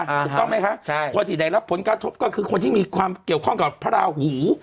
ถูกต้องไหมคะใช่คนที่ได้รับผลกระทบก็คือคนที่มีความเกี่ยวข้องกับพระราหู